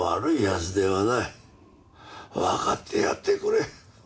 分かってやってくれ。